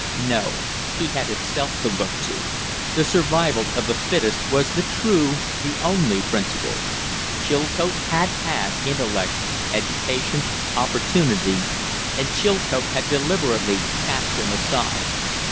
No; he had himself to look to. The survival of the fittest was the true, the only principle. Chilcote had had intellect, education, opportunity, and Chilcote had deliberately cast them aside.